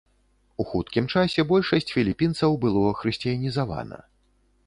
У хуткім часе большасць філіпінцаў было хрысціянізавана.